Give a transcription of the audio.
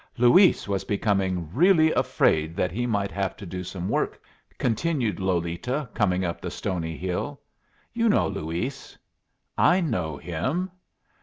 "Luis was becoming really afraid that he might have to do some work," continued Lolita, coming up the stony hill. "You know Luis?" "I know him."